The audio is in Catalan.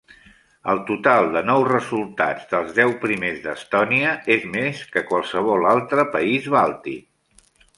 El total de nou resultats dels deu primers d'Estònia és més que qualsevol altre país bàltic.